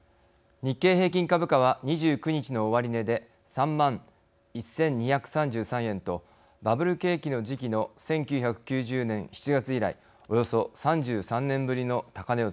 日経平均株価は２９日の終値で３万１，２３３円とバブル景気の時期の１９９０年７月以来およそ３３年ぶりの高値を付けました。